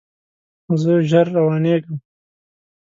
زه ژر روانیږم